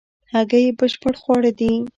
هګۍ بشپړ خواړه دي